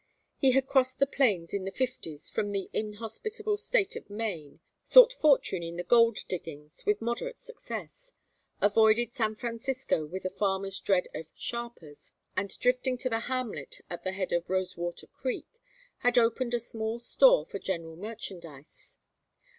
He had crossed the plains in the Fifties from the inhospitable State of Maine, sought fortune in the gold diggings with moderate success, avoided San Francisco with a farmer's dread of "sharpers," and drifting to the hamlet at the head of Rosewater Creek had opened a small store for general merchandise.